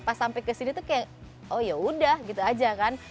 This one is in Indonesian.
pas sampai ke sini tuh kayak oh yaudah gitu aja kan